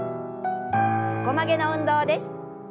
横曲げの運動です。